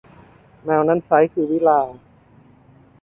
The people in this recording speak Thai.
แมวนั้นไซร้ คือวิฬาร์